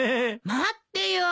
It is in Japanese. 待ってよ！